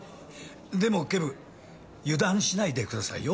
でも警部油断しないでくださいよ。